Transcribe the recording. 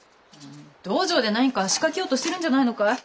道場で何か仕掛けようとしてるんじゃないのかい？